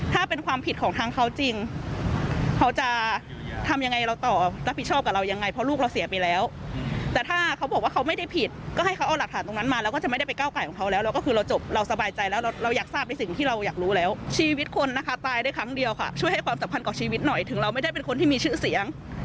ทุกคนนะคะตายได้ครั้งเดียวค่ะช่วยให้ความสำคัญกับชีวิตหน่อยถึงเราไม่ได้เป็นคนที่มีชื่อเสียง